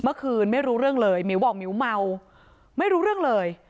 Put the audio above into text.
ไม่รู้เรื่องเลยหมิวบอกหมิวเมาไม่รู้เรื่องเลย